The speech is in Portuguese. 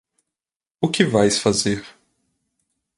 O que vais fazer?